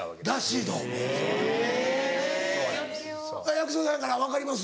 役者さんやから分かります？